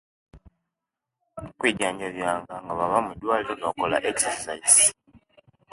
Kwijanjabia nga baba mwidwaliro ne bakola exercise